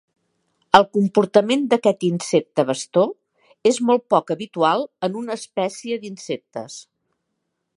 El comportament d'aquest insecte bastó és molt poc habitual en una espècie d'insectes.